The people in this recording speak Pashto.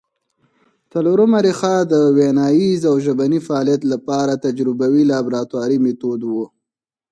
څلورمه ریښه د ویناييز او ژبني فعالیت له پاره تجربوي لابراتواري مېتود وو